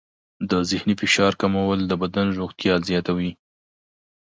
د ذهني فشار کمول د بدن روغتیا زیاتوي.